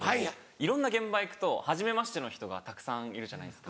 いろんな現場行くとはじめましての人がたくさんいるじゃないですか。